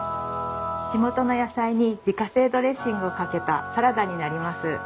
地元の野菜に自家製ドレッシングをかけたサラダになります。